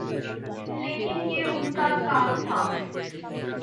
لیکن یہ ان کا کام تھا۔